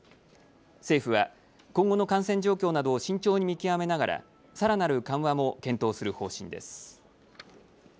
政府は今後の感染状況などを慎重に見極めながらさらなる緩和も検討する方針です。